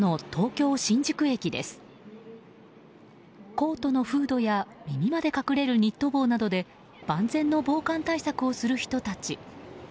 コートのフードや耳まで隠れるニット帽などで万全の防寒対策をする人たち。